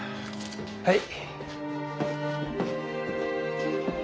はい。